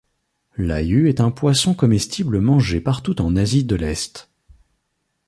L'ayu est un poisson comestible mangé partout en Asie de l'Est.